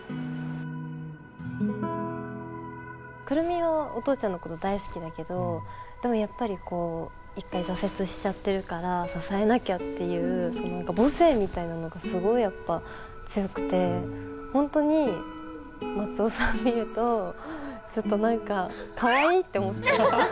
久留美はお父ちゃんのこと大好きだけどでもやっぱりこう一回挫折しちゃってるから支えなきゃっていうその何か母性みたいなのがすごいやっぱ強くて本当に松尾さん見るとちょっと何かかわいいって思っちゃう。